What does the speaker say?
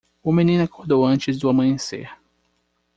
O menino acordou antes do amanhecer.